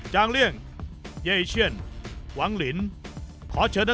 จางเลี่ยงเยเชียนวังลิน